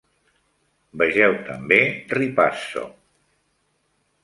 Vegeu també Ripasso.